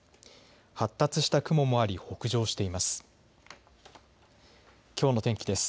発達した雲もあり北上しています。